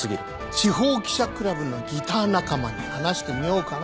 司法記者クラブのギター仲間に話してみようかな。